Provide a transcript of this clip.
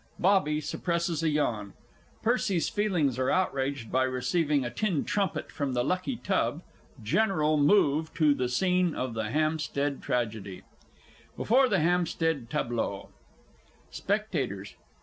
[BOBBY suppresses a yawn; PERCY'S feelings are outraged by receiving a tin trumpet from the Lucky Tub; general move to the scene of the Hampstead Tragedy. BEFORE THE HAMPSTEAD TABLEAUX. SPECTATORS.